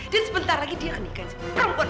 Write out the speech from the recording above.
dan sebentar lagi dia akan nikahin si perempuan